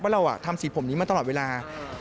เราทำสีผมนี้มาตลอดเวลา